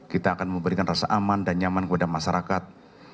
kita akan memberikan rasa aman dan nyaman kepada masyarakat